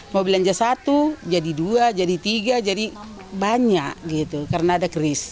mau belanja satu jadi dua jadi tiga jadi banyak gitu karena ada keris